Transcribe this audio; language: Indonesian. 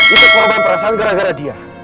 itu korban perasaan gara gara dia